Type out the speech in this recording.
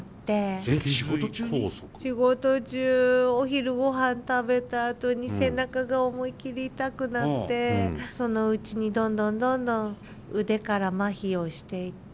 お昼ごはん食べたあとに背中が思い切り痛くなってそのうちにどんどんどんどん腕からまひをしていって。